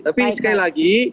tapi sekali lagi